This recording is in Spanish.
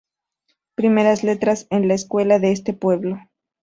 Primeras letras en la escuela de este pueblo.